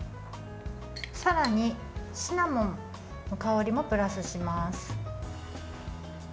さらにシナモンの香りもプラスします。